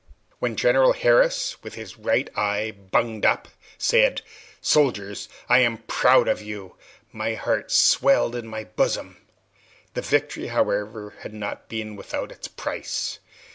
When General Harris (with his right eye bunged up) said, "Soldiers, I am proud of you!" my heart swelled in my bosom. The victory, however, had not been without its price.